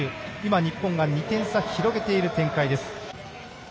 日本が２点差を広げている展開です。